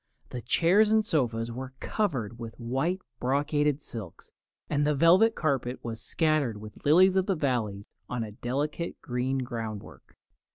The chairs and sofas were covered with white brocaded silks, and the velvet carpet was scattered with lilies of the valley on a delicate green groundwork.